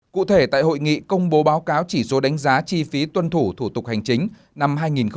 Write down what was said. cụ thể tại hội nghị công bố báo cáo chỉ số đánh giá chi phí tuân thủ thủ tục hành chính năm hai nghìn một mươi chín